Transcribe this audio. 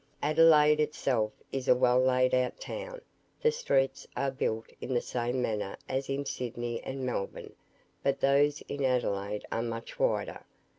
Adelaide itself is a well laid out town. The streets are built in the same manner as in Sydney and Melbourne; but those in Adelaide are much wider.